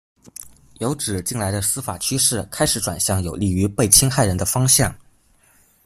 有指近来的司法趋势开始转向有利于被侵害人的方向。